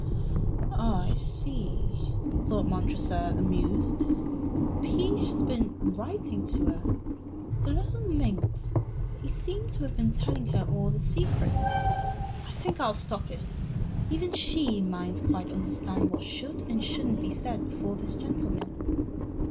"Ah, I see," thought Montresor, amused. "P has been writing to her, the little minx. He seems to have been telling her all the secrets. I think I'll stop it. Even she mayn't quite understand what should and shouldn't be said before this gentleman."